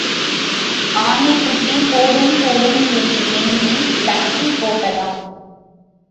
ஆனை குட்டி போடும் போடும் என்று எண்ணி லத்தி போட்டதாம்.